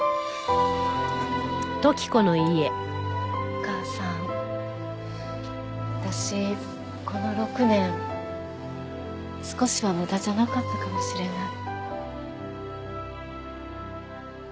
お母さん私この６年少しは無駄じゃなかったかもしれない。